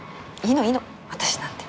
私なんて。